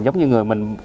giống như người mình